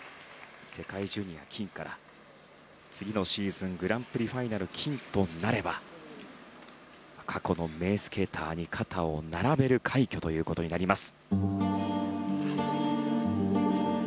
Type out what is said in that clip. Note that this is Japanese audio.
世界ジュニア金から次のシーズングランプリファイナル金となれば過去の名スケーターに肩を並べる快挙ということになります。